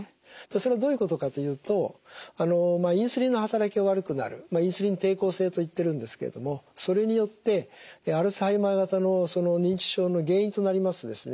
それはどういうことかというとインスリンの働きが悪くなるインスリン抵抗性と言っているんですけれどもそれによってアルツハイマー型の認知症の原因となりますですね